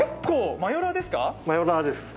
マヨラーです。